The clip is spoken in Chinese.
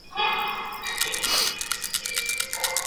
延边在历史上是中国东北少数民族的聚居地之一。